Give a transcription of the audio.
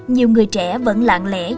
mọi người sẽ sống trọn vẹn